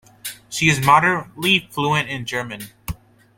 She is moderately fluent in German.